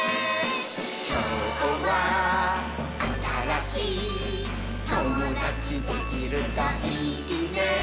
「きょうはあたらしいともだちできるといいね」